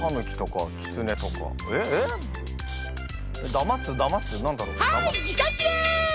だますだます何だろう？